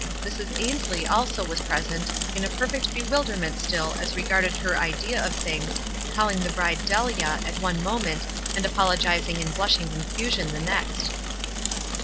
Mrs. Ainslie also was pres ent, in a perfect bewilderment still as regarded her idea of things, calling the bride "Delia" at one moment, and apologizing in blushing con fusion the next.